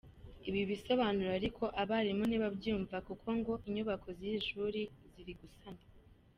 Ibi bisobanuro ariko abarimu ntibabyumva kuko ngo inyubako z’iri shuri zirimo gusanwa.